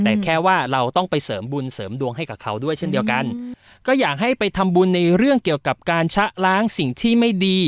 แต่แค่ว่าเราต้องไปเสริมบุญเสริมดวงให้กับเขาด้วยเช่นเดียวกันก็อยากให้ไปทำบุญในเรื่องเกี่ยวกับการชะล้างสิ่งที่ไม่ดี